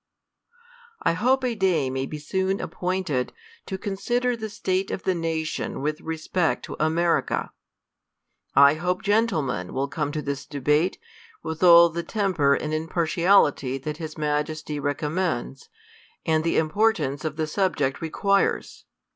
I hope a day may be soon appointed to consider the state of the nation with respect to America. ' I hope gentlemen THE COLUMBIAN ORATOR. 5D gentlemen will come to this debate with all the temper and impartiality that his Majesty recommends, and the importance of the subject requires.